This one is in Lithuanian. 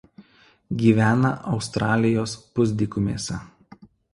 Gyvena Australijos pusdykumėse.